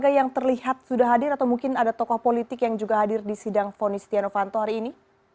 apakah yang terlihat sudah hadir atau mungkin ada tokoh politik yang juga hadir di sidang fonistia novanto hari ini